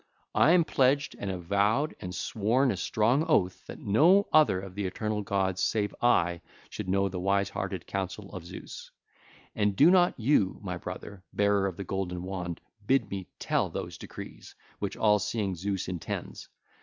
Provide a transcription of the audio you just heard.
I am pledged and have vowed and sworn a strong oath that no other of the eternal gods save I should know the wise hearted counsel of Zeus. And do not you, my brother, bearer of the golden wand, bid me tell those decrees which all seeing Zeus intends.